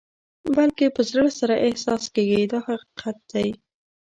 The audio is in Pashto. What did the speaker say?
بلکې په زړه سره احساس کېږي دا حقیقت دی.